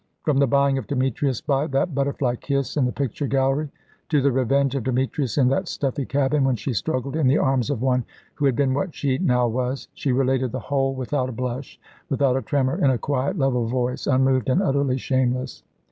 From the buying of Demetrius by that butterfly kiss in the picture gallery, to the revenge of Demetrius in that stuffy cabin, when she struggled in the arms of one who had been what she now was, she related the whole without a blush, without a tremor, in a quiet, level voice, unmoved, and utterly shameless.